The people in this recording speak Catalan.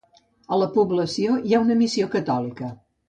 A la població hi ha una missió catòlica.